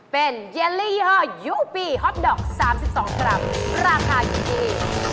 เป็นเยลลี่ยี่ห้อยูปีฮอตดอก๓๒กรัมราคาอยู่ที่